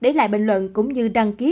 để lại bình luận cũng như đăng ký